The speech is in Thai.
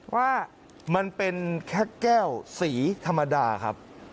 ว่ามันเป็นแค่แก้วสีธรรมดาครับ